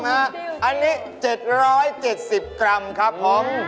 อันนี้๗๗๐กรัมครับผม